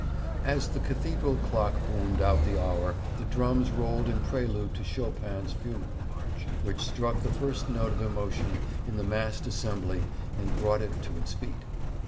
As the Cathedral clock boomed out the hour the drums rolled in prelude to Chopin's 'Funeral March,' which struck the first note of emotion in the massed assembly and brought it to its feet.